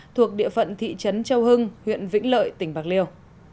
thuộc địa phận thị trấn châu hưng huyện vĩnh lợi tỉnh bạc liêu